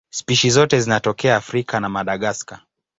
Spishi zote zinatokea Afrika na Madagaska.